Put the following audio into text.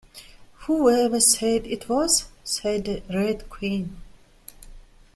‘Who ever said it was?’ said the Red Queen.